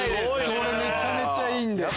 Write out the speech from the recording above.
これめちゃめちゃいいんで。